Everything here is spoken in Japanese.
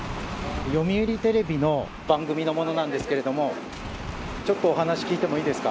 読売テレビの番組の者なんですけれども、ちょっとお話聞いてもいいですか？